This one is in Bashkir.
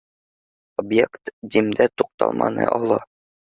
Объект Димдә туҡталманы, оло